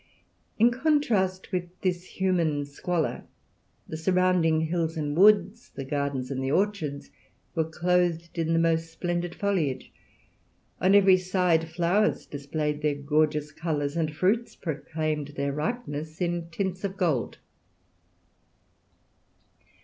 In contrast with this human squalor, the surrounding hills and woods, the gardens and the orchards, were clothed in the most splendid foliage; on every side flowers displayed their gorgeous colours, and fruits proclaimed their ripeness in tints of gold.